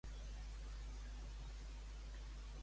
Descontrolat l'incendi de Banyuls de la Marenda.